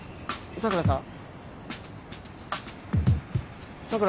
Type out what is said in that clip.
佐倉さん？